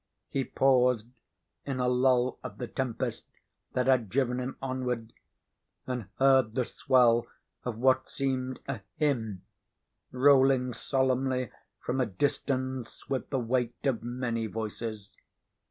He paused, in a lull of the tempest that had driven him onward, and heard the swell of what seemed a hymn, rolling solemnly from a distance with the weight of many voices.